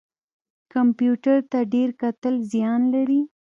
کمپیوټر ته ډیر کتل زیان لري